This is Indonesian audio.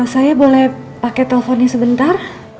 saya boleh pakai teleponnya sebentar